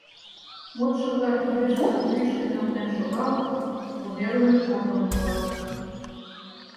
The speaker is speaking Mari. Модшо-влак кидыштым кӱшкӧ нӧлтен шогалыт: вуверлан корным пуат.